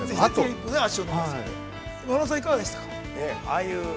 ◆ああいう